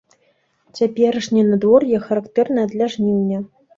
Цяперашняе надвор'е характэрнае для жніўня.